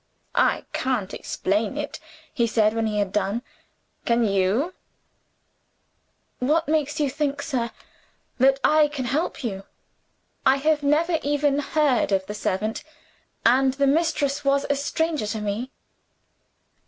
"I can't explain it," he said when he had done. "Can you?" "What makes you think, sir, that I can help you? I have never even heard of the servant and the mistress was a stranger to me."